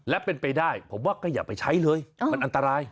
และเป็นไปได้ผมว่าก็อย่าไปใช้เลยมันอันตราย